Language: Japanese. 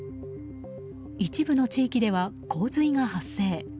一部の地域では洪水が発生。